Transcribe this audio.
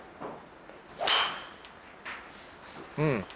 うん。